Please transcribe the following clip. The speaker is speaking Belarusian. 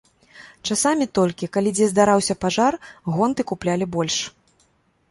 Часамі толькі, калі дзе здараўся пажар, гонты куплялі больш.